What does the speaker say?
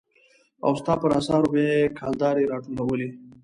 او ستا پر اثارو به يې کلدارې را ټولولې.